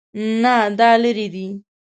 نه، دا لیرې دی